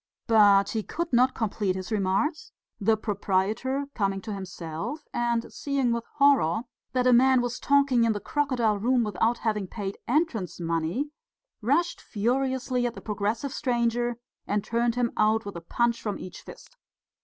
But he could not complete his remarks; the proprietor coming to himself, and seeing with horror that a man was talking in the crocodile room without having paid entrance money, rushed furiously at the progressive stranger and turned him out with a punch from each fist.